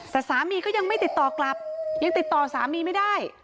แต่สามีก็ยังไม่ติดต่อกลับยังติดต่อสามีไม่ได้